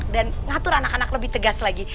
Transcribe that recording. dan ngatur anak anak lebih tegas lagi